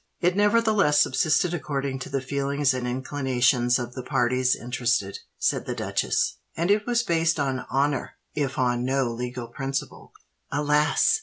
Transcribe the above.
"It nevertheless subsisted according to the feelings and inclinations of the parties interested," said the duchess; "and it was based on honour, if on no legal principle." "Alas!"